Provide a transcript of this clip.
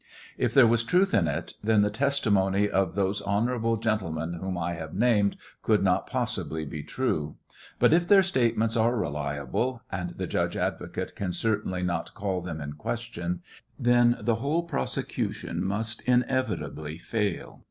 If there was truth in it, then the testimony of those honorable gentlemen whom I have named could not possibly be true. But if their statements are reliable (and the judge advocate can certainly not call them in question) then the whole prose cution must inevitably fail.